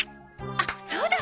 あっそうだ！